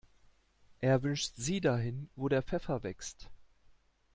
Er wünscht sie dahin, wo der Pfeffer wächst.